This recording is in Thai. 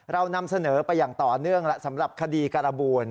เรานำเสนอไปอย่างต่อเนื่องแล้วสำหรับคดีการบูล